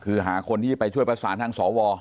คือหาคนที่ไปช่วยประสานทางสว